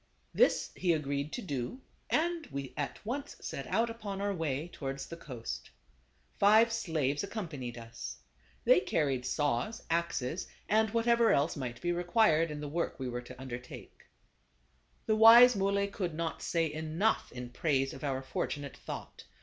This he agreed to do, and we at once set out upon our way towards the coast. Five slaves accompanied us. They carried saws, axes and whatever else might be required in the work we were to undertake. The wise Muley could not say enough in praise of our fortunate thought.